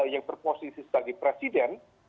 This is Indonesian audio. yang berposisi sebagai presiden